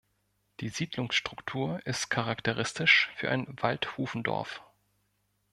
Die Siedlungsstruktur ist charakteristisch für ein Waldhufendorf.